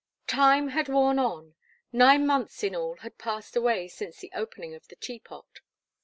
Time had worn on: nine months in all had passed away since the opening of the Teapot.